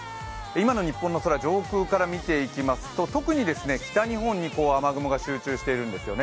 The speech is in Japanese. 今の日本の空を上空から見ていきますと特に北日本に雨雲が集中しているんですよね。